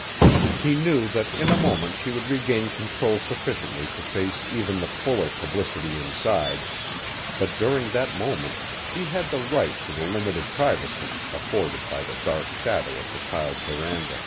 He knew that in a moment she would regain control sufficiently to face even the fuller publicity inside, but during that moment she had the right to the limited privacy afforded by the dark shadow of the tiled veranda.